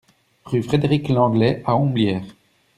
Rue Frédéric Lenglet à Homblières